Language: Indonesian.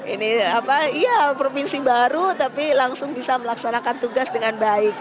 ini apa ya provinsi baru tapi langsung bisa melaksanakan tugas dengan baik